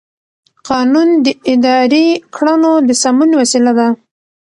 قانون د اداري کړنو د سمون وسیله ده.